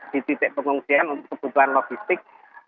di titik pengungsian untuk kebutuhan logistik